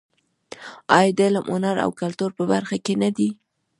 آیا د علم، هنر او کلتور په برخه کې نه دی؟